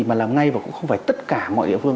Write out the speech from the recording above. mà làm ngay và cũng không phải tất cả mọi địa phương